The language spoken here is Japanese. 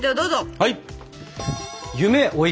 はい！